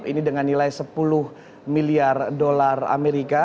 ini dengan nilai sepuluh miliar dolar amerika